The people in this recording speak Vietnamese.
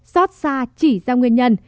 xót xa chỉ ra nguyên nhân